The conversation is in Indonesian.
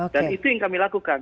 dan itu yang kami lakukan